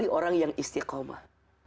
semua orang yang beristikomah